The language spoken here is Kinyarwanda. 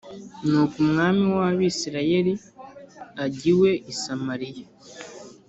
Nuko umwami w’Abisirayeli ajya iwe i Samariya